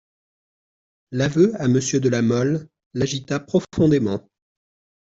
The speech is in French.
L'aveu à Monsieur de La Mole l'agita profondément.